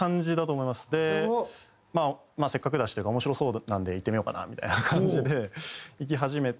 まあせっかくだしというか面白そうなんで行ってみようかなみたいな感じで行き始めて。